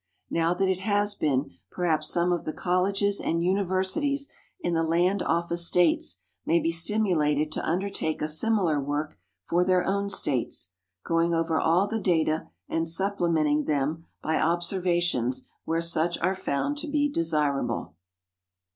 Now that it has been, perhaps some of the colleges and universities in the land office States may be stim ulated to undertake a similar work for their own States, going over all the data and supplementing them by observations where such are found to be desirable.